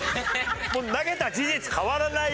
もう投げた事実変わらないよ。